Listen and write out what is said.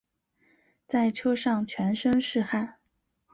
在车上全身是汗